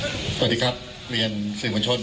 คุณผู้ชมไปฟังผู้ว่ารัฐกาลจังหวัดเชียงรายแถลงตอนนี้ค่ะ